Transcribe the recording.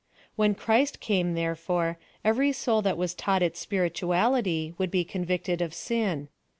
When Christ came, therefore, every swd that was taught its spirituality, would be convicted of sin.